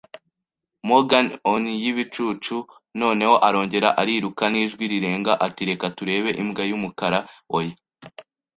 Morgan, on'y ibicucu. Noneho, "arongera ariruka, n'ijwi rirenga, ati:" reka turebe - Imbwa y'umukara? Oya,